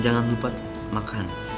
jangan lupa makan